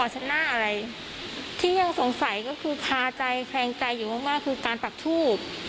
ชนะอะไรที่ยังสงสัยก็คือพาใจแข็งใจอยู่มากคือการปรับทูป